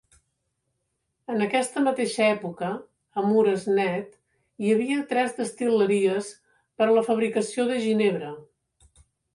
En aquesta mateixa època, a Moresnet hi havia tres destil·leries per a la fabricació de ginebra.